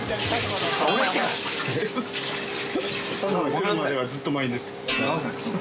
来るまではずっと満員でした。